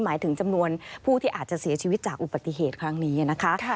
หมายถึงจำนวนผู้ที่อาจจะเสียชีวิตจากอุบัติเหตุครั้งนี้นะคะ